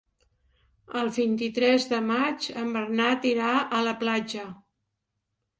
El vint-i-tres de maig en Bernat irà a la platja.